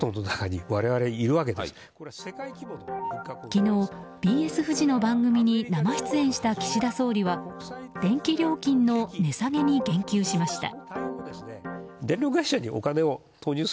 昨日、ＢＳフジの番組に生出演した岸田総理は電気料金の値下げに言及しました。